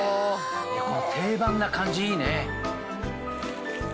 この定番な感じいいね。